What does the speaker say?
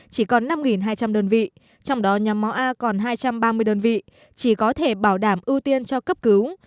chỉ còn năm hai trăm linh đơn vị trong đó nhóm máu a còn hai trăm ba mươi đơn vị chỉ có thể bảo đảm ưu tiên cho cấp cứu